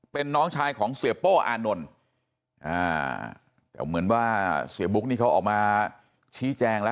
เป็นน้องชายของเสียโป้อานนท์แต่เหมือนว่าเสียบุ๊กนี่เขาออกมาชี้แจงแล้ว